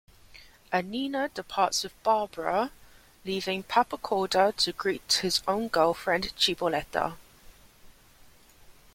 Annina departs with Barbara, leaving Pappacoda to greet his own girlfriend, Ciboletta.